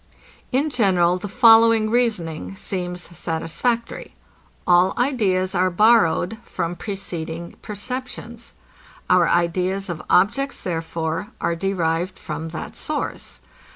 In general, the following reasoning seems satisfactory. All ideas are borrowed from preceding perceptions. Our ideas of objects, therefore, are derived from that source.